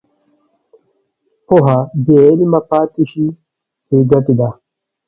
پوهه بېعمله پاتې شي، بېګټې ده.